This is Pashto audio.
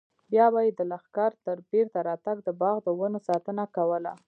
بیا به یې د لښکر تر بېرته راتګ د باغ د ونو ساتنه کوله.